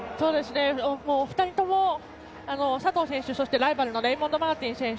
お二人とも、佐藤選手ライバルのレイモンド・マーティン選手。